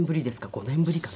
５年ぶりかな？